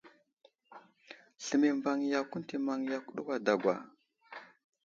Sləmay i mbaŋ yakw ənta i maŋ yakw uway dagwa ?